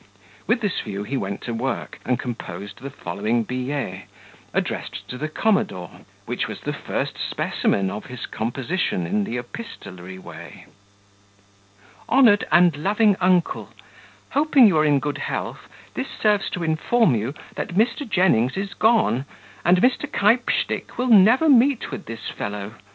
With this view he went to work, and composed the following billet, addressed to the commodore, which was the first specimen of his composition in the epistolary way: "Honoured and Loving Uncle, Hoping you are in good health, this serves to inform you, that Mr. Jennings is gone, and Mr. Keypstick will never meet with his fellow.